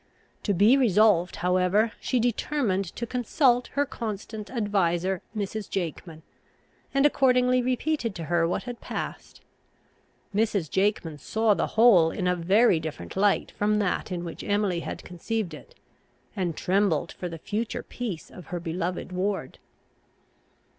To be resolved however, she determined to consult her constant adviser, Mrs. Jakeman, and accordingly repeated to her what had passed. Mrs. Jakeman saw the whole in a very different light from that in which Emily had conceived it, and trembled for the future peace of her beloved ward.